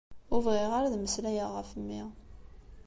Ur bɣiɣ ara ad mmeslayeɣ ɣef mmi.